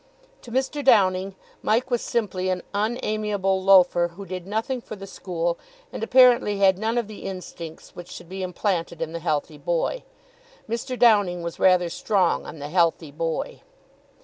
To Mr. Downing, Mike was simply an unamiable loafer, who did nothing for the school and apparently had none of the instincts which should be implanted in the healthy boy. Mr. Downing was rather strong on the healthy boy.